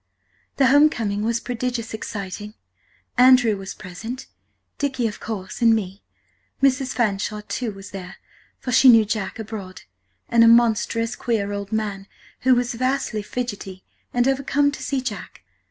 "The Home coming was prodigious exciting. Andrew was present, Dicky, of course, and me. Mrs. Fanshawe, too, was there, for she knew Jack Abroad, and a monstrous queer Old Man, who was vastly fidgetty and overcome to see Jack.